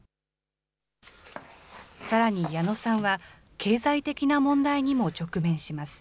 さらに矢野さんは、経済的な問題にも直面します。